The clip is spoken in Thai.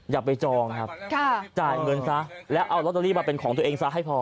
อย่าไปจองครับจ่ายเงินซะแล้วเอาลอตเตอรี่มาเป็นของตัวเองซะให้พอ